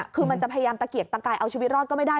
คือมันจะพยายามตะเกียกตะกายเอาชีวิตรอดก็ไม่ได้